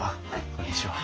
こんにちは。